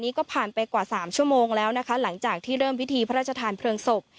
ก็ผ่านไปกว่าสามชั่วโมงแล้วนะคะหลังจากที่เริ่มพิธีพระราชทานเพลิงศพ